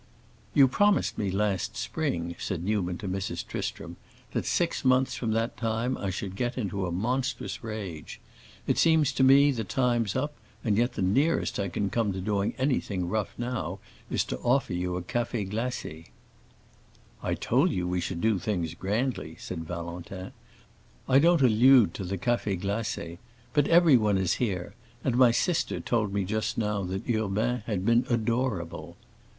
"You promised me last spring," said Newman to Mrs. Tristram, "that six months from that time I should get into a monstrous rage. It seems to me the time's up, and yet the nearest I can come to doing anything rough now is to offer you a café glacé." "I told you we should do things grandly," said Valentin. "I don't allude to the cafés glacés. But everyone is here, and my sister told me just now that Urbain had been adorable."